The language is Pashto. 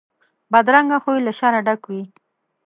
بدرنګه خوی له شره ډک وي